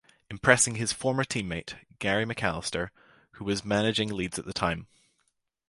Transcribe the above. Impressing his former teammate Gary McAlliser who was managing Leeds at the time.